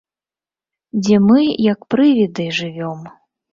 Дзе мы, як прывіды, жывём.